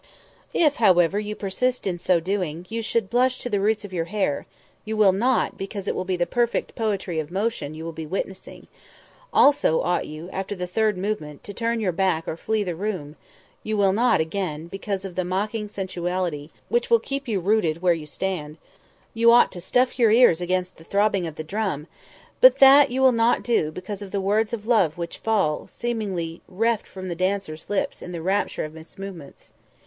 If, however, you persist in so doing, you should blush to the roots of your hair you will not, because it will be the perfect poetry of motion you will be witnessing; also ought you, after the third movement, to turn your back or flee the room you will not, again, because of the mocking sensuality which will keep you rooted where you stand; again, you ought to stuff your ears against the throbbing of the drum but that will you not do because of the words of love which fall, seemingly reft from the dancer's lips in the rapture of his movements.